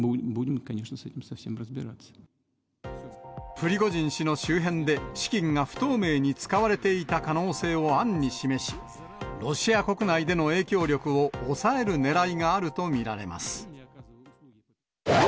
プリゴジン氏の周辺で、資金が不透明に使われていた可能性を暗に示し、ロシア国内での影響力を抑えるねらいがあると見られます。